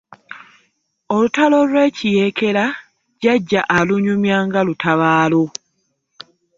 Olutalo lw'ekiyeekera jjajja alunyumya nga lutabaalo.